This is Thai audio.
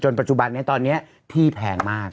แถวจนปัจจุบันนี้ที่แพงมาก